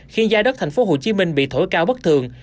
khiến giá đất thành phố hồ chí minh bị thổi cao bất thường